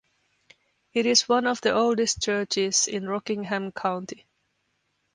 It is one of the oldest churches in Rockingham County.